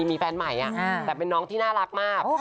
มีแฟนใหม่แต่เป็นน้องที่น่ารักมาก